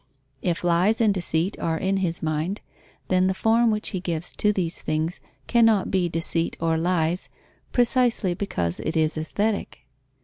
If lies and deceit are in his mind, then the form which he gives to these things cannot be deceit or lies, precisely because it is aesthetic.